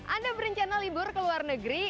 anda berencana libur ke luar negeri